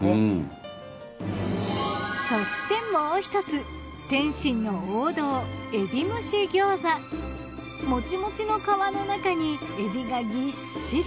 そしてもうひとつ点心の王道モチモチの皮の中に海老がぎっしり。